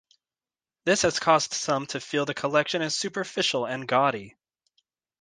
This has caused some to feel the collection is superficial and gaudy.